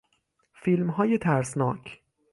فیلمهای ترسناک